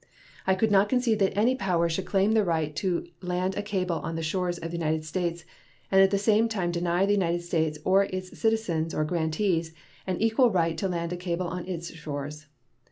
I could not concede that any power should claim the right to land a cable on the shores of the United States and at the same time deny to the United States, or to its citizens or grantees, an equal right to land a cable on its shores.